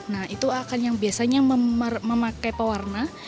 nah itu akan yang biasanya memakai pewarna